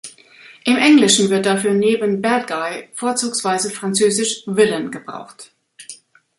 Im Englischen wird dafür neben "bad guy" vorzugsweise französisch "villain" gebraucht.